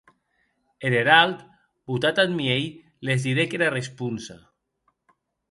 Er erald, botat ath miei, les didec era responsa.